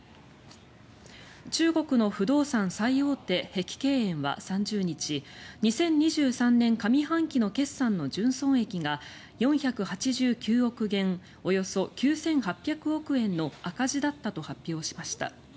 中国の不動産最大手、碧桂園は３０日２０２３年上半期の決算の純損益が４８９億元およそ９８００億円の赤字だったと発表しました。